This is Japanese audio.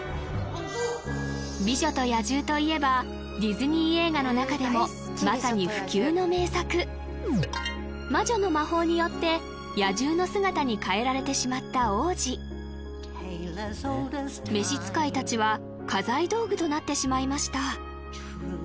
「美女と野獣」といえばディズニー映画の中でもまさに不朽の名作魔女の魔法によって野獣の姿に変えられてしまった王子召し使い達は家財道具となってしまいました